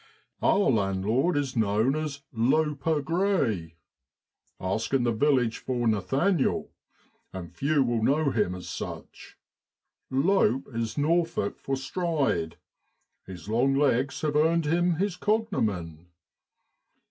1 Our landlord is known as 4 Loper ' Grey. Ask in the village for Nathaniel, and few will know him as such. Lope is Norfolk for stride, his long legs have earned him his cognomen.